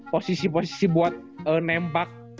posisi posisi buat nembak